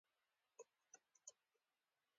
هغه پلورونکی بریالی وي چې د خلکو باور لري.